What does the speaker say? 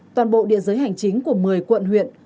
toàn bộ địa giới hành chính của một mươi quận huyện